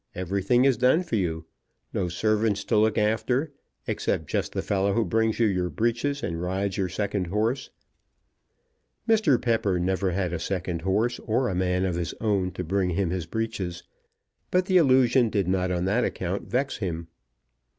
Everything done for you. No servants to look after, except just the fellow who brings you your breeches and rides your second horse." Mr. Pepper never had a second horse, or a man of his own to bring him his breeches, but the allusion did not on that account vex him.